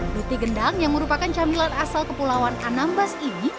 luti gendang yang merupakan camilan asal kepulauan anambas ini